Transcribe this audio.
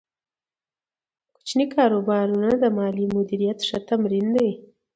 کوچني کاروبارونه د مالي مدیریت ښه تمرین دی۔